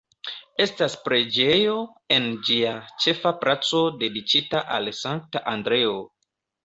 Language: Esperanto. Estas preĝejo en ĝia ĉefa placo dediĉita al Sankta Andreo.